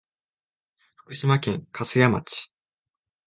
福岡県粕屋町